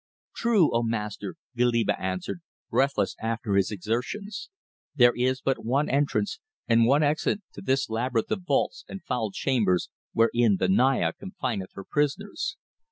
"True, O Master," Goliba answered, breathless after his exertions. "There is but one entrance and one exit to this labyrinth of vaults and foul chambers wherein the Naya confineth her prisoners.